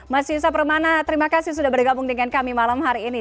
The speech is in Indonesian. mas yusa permana terima kasih sudah bergabung dengan kami malam hari ini